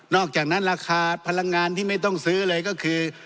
อกจากนั้นราคาพลังงานที่ไม่ต้องซื้อเลยก็คือ